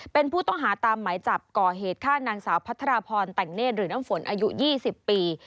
เป็นผู้ต้องหาตามหมายจับก่อเหตุฆ่านางสาวพัทรพรแต่งเนธหรือน้ำฝนอายุ๒๐ปี